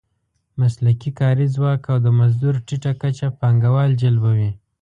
مسلکي کاري ځواک او د مزدور ټیټه کچه پانګوال جلبوي.